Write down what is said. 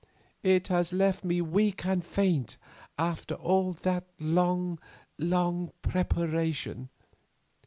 It has left me weak and faint after all that long, long preparation.